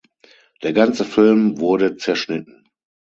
Der ganze Film wurde zerschnitten.